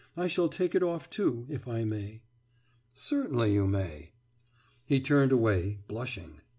I shall take it off, too ... if I may.« »Certainly, you may.« He turned away, blushing.